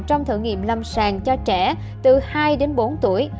trong thử nghiệm lâm sàng cho trẻ từ hai đến bốn tuổi